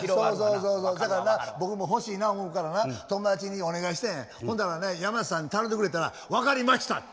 だからな僕も欲しいな思うからな友達にお願いしてほんだらね山下さんに頼んでくれたら「分かりました」。